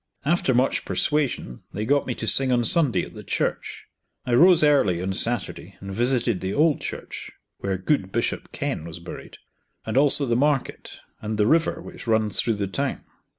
After much persuasion they got me to sing on Sunday at the church. I rose early on Saturday and visited the old church (where good Bishop Kenn was buried), and also the market, and the river which runs through the town.